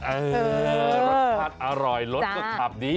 เออรสชาติอร่อยรสก็ขับดี